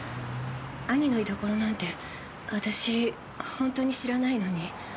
兄の居所なんて私本当に知らないのに。